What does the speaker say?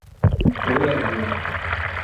Douradina